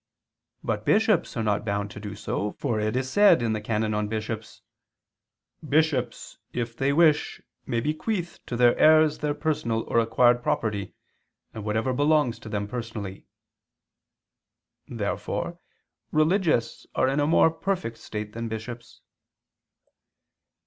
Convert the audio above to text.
But bishops are not bound to do so; for it is said (XII, qu. i, can. Episcopi de rebus): "Bishops, if they wish, may bequeath to their heirs their personal or acquired property, and whatever belongs to them personally." Therefore religious are in a more perfect state than bishops.